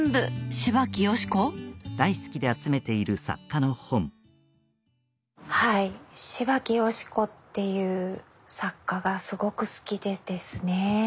芝木好子っていう作家がすごく好きでですね。